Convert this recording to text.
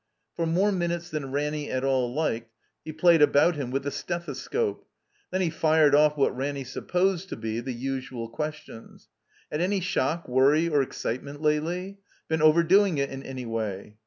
For more minutes than Ranny at all liked, he played about him with a stethoscope. Then he fired off what Ranny supposed to be the usual questions. Had any shock, worry, or excitement lately? "Been overdoing it in any way?